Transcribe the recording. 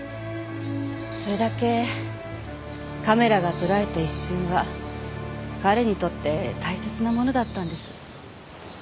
それだけカメラが捉えた一瞬が彼にとって大切なものだったんです。